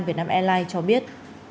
việt nam airlines cho biết